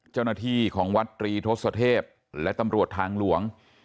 เจ้าหน้าที่ของวัดตรีทศเทพและตำรวจทางหลวง